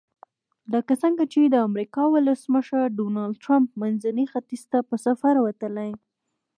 لکه څرنګه چې د امریکا ولسمشر ډونلډ ټرمپ منځني ختیځ ته په سفر وتلی.